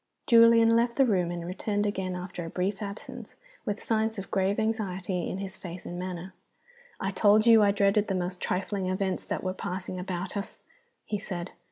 Julian left the room, and returned again, after a brief absence, with signs of grave anxiety in his face and manner. "I told you I dreaded the most trifling events that were passing about us," he said.